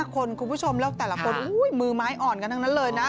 คนคุณผู้ชมแล้วแต่ละคนมือไม้อ่อนกันทั้งนั้นเลยนะ